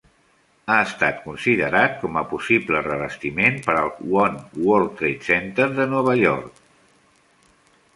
Ha estat considerat com a possible revestiment per al One World Trade Center de Nova York.